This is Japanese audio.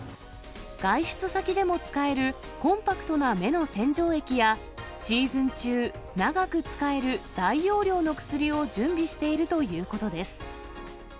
外出先でも使えるコンパクトな目の洗浄液や、シーズン中、長く使える大容量の薬を準備しているということです。